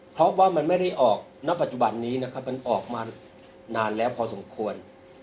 เพราะว่ามันไม่ได้ออกณปัจจุบันนี้นะครับมันออกมานานแล้วพอสมควร